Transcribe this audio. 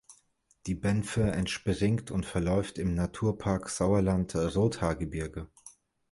Die Benfe entspringt und verläuft im Naturpark Sauerland-Rothaargebirge.